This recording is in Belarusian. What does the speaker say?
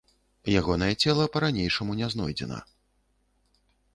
Ягонае цела па-ранейшаму не знойдзена.